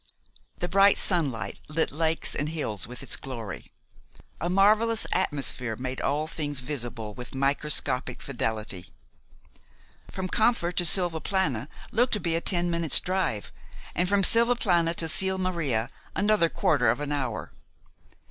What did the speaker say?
The bright sunshine lit lakes and hills with its glory. A marvelous atmosphere made all things visible with microscopic fidelity. From Campfer to Silvaplana looked to be a ten minutes' drive, and from Silvaplana to Sils Maria another quarter of an hour.